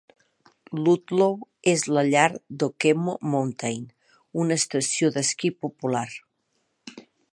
Ludlow és la llar d'Okemo Mountain, una estació d'esquí popular.